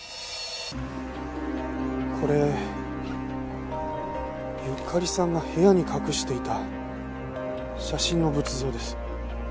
これゆかりさんが部屋に隠していた写真の仏像です。